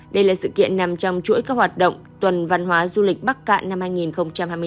đây là sự kiện nằm trong chuỗi các hoạt động tuần văn hóa du lịch bắc cạn năm hai nghìn hai mươi bốn